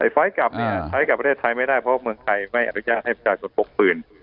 ไฟซ์กลับใช้กับประเทศใช้ไม่ได้เพราะเมืองไทยไม่อนุญาตให้กดปกปืน